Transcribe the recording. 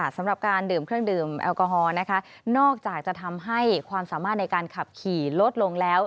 สำหรับการดื่มเครื่องดื่มแอลกอฮอล์นะคะนอกจากจะทำให้ความสามารถในการขับขี่ลดลงแล้ว